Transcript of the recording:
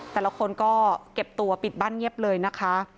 แต่ละคนก็เก็บตัวปิดบ้านเงียบเลยนะคะ